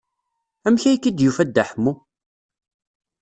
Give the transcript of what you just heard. Amek ay k-id-yufa Dda Ḥemmu?